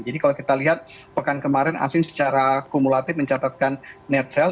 jadi kalau kita lihat pekan kemarin asing secara kumulatif mencatatkan net sale